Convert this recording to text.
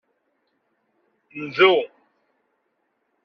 Ndu.